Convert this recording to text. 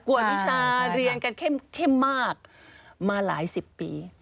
วดวิชาเรียนกันเข้มมากมาหลายสิบปี